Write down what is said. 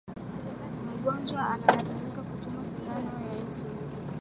mgonjwa analazimika kuchomwa sindano ya insulini